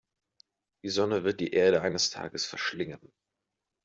Die Sonne wird die Erde eines Tages verschlingen.